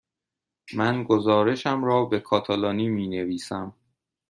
من گزارشم را به کاتالانی می نویسم.